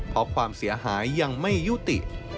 เพราะความเสียหายยังไม่ยุติ